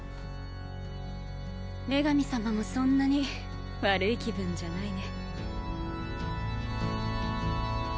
女神様もそんなに悪い気分じゃないね。